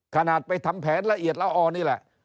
ขนาดไปทำแผนละเอียดละออนี่แหละ